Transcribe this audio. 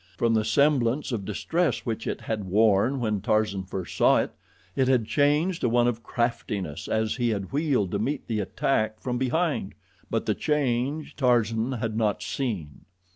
From the semblance of distress which it had worn when Tarzan first saw it, it had changed to one of craftiness as he had wheeled to meet the attack from behind; but the change Tarzan had not seen.